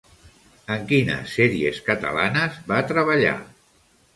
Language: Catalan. En quines sèries catalanes va treballar?